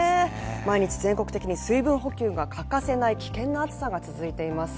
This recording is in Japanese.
毎日全国的に水分補給が欠かせない危険な暑さが続いています。